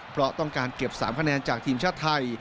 เพราะต้องการเก็บ๓คะแนนจากทีมชาติไทย